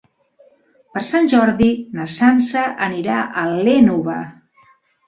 Per Sant Jordi na Sança anirà a l'Énova.